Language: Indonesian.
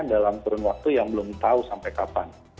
dalam kurun waktu yang belum tahu sampai kapan